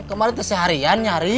kemarin tersiharian nyari